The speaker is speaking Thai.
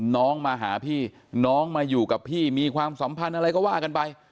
น้องมาหาพี่น้องมาอยู่กับพี่มีความสัมพันธ์อะไรก็ว่ากันไป